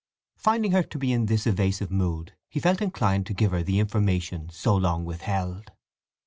Finding her to be in this evasive mood he felt inclined to give her the information so long withheld.